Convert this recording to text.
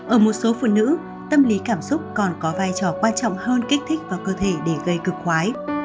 ở một số phụ nữ tâm lý cảm xúc còn có vai trò quan trọng hơn kích thích vào cơ thể để gây cực khoái